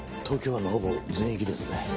東京湾のほぼ全域ですね。